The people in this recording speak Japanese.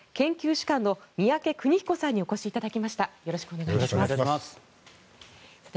主幹の宮家邦彦さんにお越しいただきました。